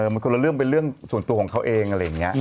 มันคนละเรื่องเป็นเรื่องส่วนตัวของเขาเองอะไรอย่างนี้